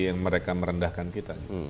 yang mereka merendahkan kita